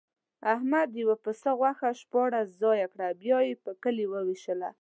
احمد د یوه پسه غوښه شپاړس ځایه کړه، بیا یې په کلي ووېشله.